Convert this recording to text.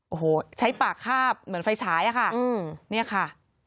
โอ้โหใช้ปากคาบเหมือนไฟฉายอะค่ะเนี่ยค่ะ